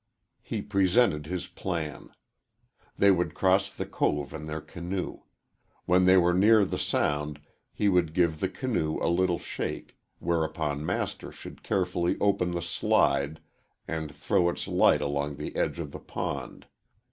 He presented his plan. They would cross the cove in their canoe. When they were near the sound he would give the canoe a little shake, whereupon Master should carefully open the slide and throw its light along the edge of the pond.